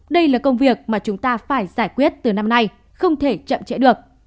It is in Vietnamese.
đây là công việc mà chúng ta phải giải quyết từ năm nay không thể chậm trễ được